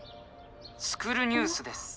「スクる！ニュース」です。